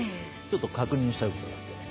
ちょっと確認したいことがあってね。